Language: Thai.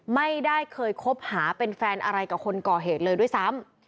ไม่ได้เคยคบหาเป็นแฟนอะไรกับคนก่อเหตุเลยด้วยซ้ำ